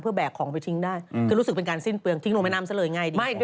แบกของไปทิ้งได้คือรู้สึกเป็นการสิ้นเปลืองทิ้งลงแม่น้ำซะเลยง่ายดี